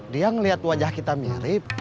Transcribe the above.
dia melihat wajah kita mirip